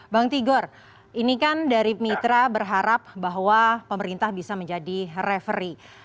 bang tigor ini kan dari mitra berharap bahwa pemerintah bisa menjadi referee